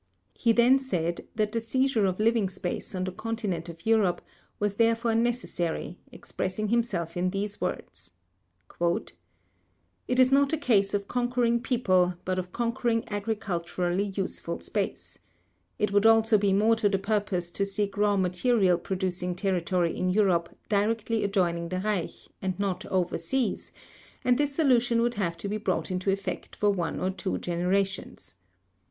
He then said that the seizure of living space on the continent of Europe was therefore necessary, expressing himself in these words: "It is not a case of conquering people but of conquering agriculturally useful space. It would also be more to the purpose to seek raw material producing territory in Europe directly adjoining the Reich and not overseas, and this solution would have to be brought into effect for one or two generations ....